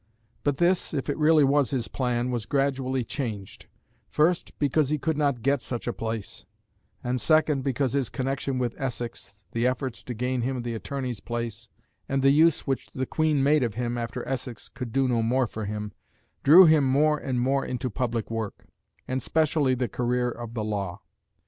But this, if it was really his plan, was gradually changed: first, because he could not get such a place; and next because his connection with Essex, the efforts to gain him the Attorney's place, and the use which the Queen made of him after Essex could do no more for him, drew him more and more into public work, and specially the career of the law.